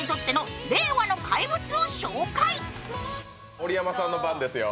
盛山さんの番ですよ。